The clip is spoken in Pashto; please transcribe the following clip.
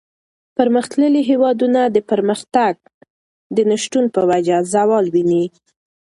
پرمختللي هېوادونه د پرمختگ د نشتوالي په وجه زوال ویني.